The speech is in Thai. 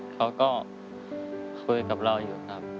เขาก็คุยกับเราอยู่ครับ